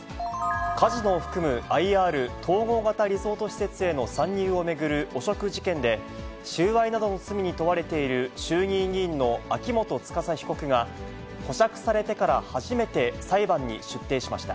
カジノを含むＩＲ・統合型リゾート施設への参入を巡る汚職事件で、収賄などの罪に問われている衆議院議員の秋元司被告が、保釈されてから初めて裁判に出廷しました。